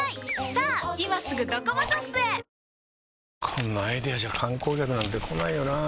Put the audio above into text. こんなアイデアじゃ観光客なんて来ないよなあ